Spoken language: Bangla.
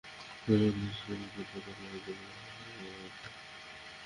তবে সরকারের অন্য পদে থাকার সময় নেওয়া সিদ্ধান্তের জন্য সেটা সম্ভব।